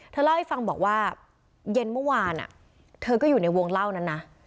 เล่าให้ฟังบอกว่าเย็นเมื่อวานเธอก็อยู่ในวงเล่านั้นนะ